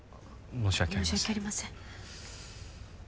申し訳ありません申し訳ありません